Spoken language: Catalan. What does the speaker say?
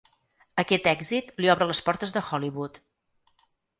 Aquest èxit li obre les portes de Hollywood.